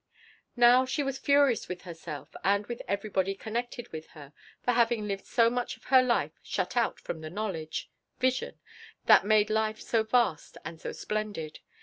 Now she was furious with herself and with everybody connected with her for having lived so much of her life shut out from the knowledge vision that made life so vast and so splendid.